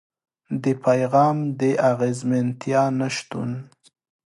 د پيغام د اغېزمنتيا نشتون.